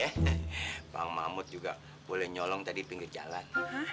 hehehe bang mahmud juga boleh nyolong tadi pinggir jalan